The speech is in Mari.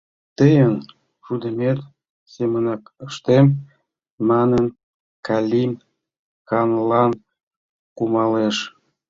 Тыйын шӱдымет семынак ыштем, — манын, Калим ханлан кумалеш.